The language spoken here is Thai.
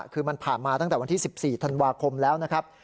คือมันผ่านมาตั้งแต่วันที่๑๔ธันวาคมแล้วนะครับ